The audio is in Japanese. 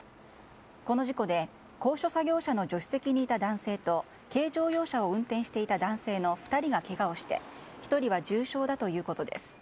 この事故で高所作業車の助手席にいた男性と軽乗用車を運転していた男性の２人がけがをして１人は重傷だということです。